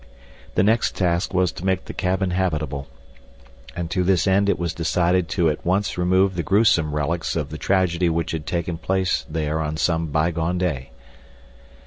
The next task was to make the cabin habitable, and to this end it was decided to at once remove the gruesome relics of the tragedy which had taken place there on some bygone day.